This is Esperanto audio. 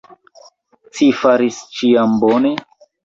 Ci fartis ĉiam bone?